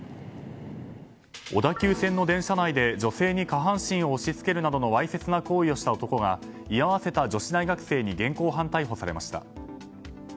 小田急線の電車内で女性に下半身を押し付けるなどのわいせつな行為をした男が居合わせた女子大学生に現行犯逮捕されました。